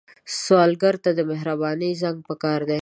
سوالګر ته د مهرباني زنګ پکار دی